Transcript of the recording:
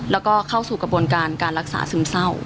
แล้วก็เข้าสู่กระบวนการการรักษาซึมเศร้า